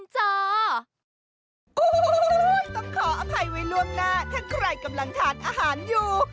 ต้องขออภัยไว้ร่วมนะถ้าใครกำลังทานอาหารอยู่